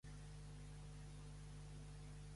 El noi i altres espanyols van marxar ràpidament.